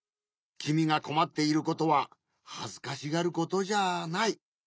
きみがこまっていることははずかしがることじゃない。